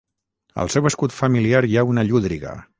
Al seu escut familiar hi ha una llúdriga.